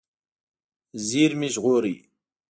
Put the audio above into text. زېرمې ژغورئ.